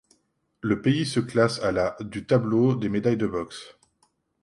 Le pays se classe à la du tableau des médailles de boxe.